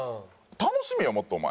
楽しめよもっとお前。